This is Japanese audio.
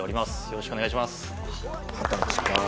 よろしくお願いします。